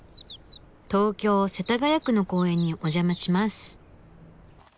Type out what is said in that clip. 東京世田谷区の公園にお邪魔します。